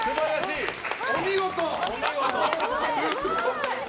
お見事！